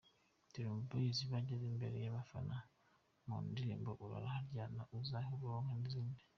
Dream Boyz bageze imbere y’abafana mu ndirimbo ’Urare aharyana’, ’Uzahahe uronke’ n’izindi.